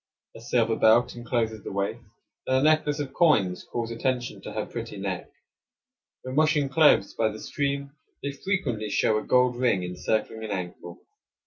A silver belt incloses the waist, and a necklace of coins calls attention to her pretty neck. I 27 When washing clothes by the stream, they frequently show a gold ring encircling an ankle.